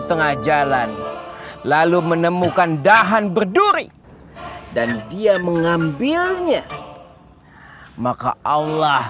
tengah jalan lalu menemukan dahan berduri dan dia mengambilnya maka allah